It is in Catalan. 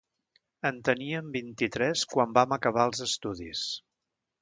En teníem vint-i-tres quan vam acabar els estudis.